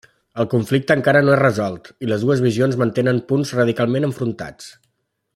El conflicte encara no és resolt i les dues visions mantenen punts radicalment enfrontats.